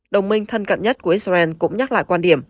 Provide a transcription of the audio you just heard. đồng minh thân cận nhất của israel cũng nhắc lại quan điểm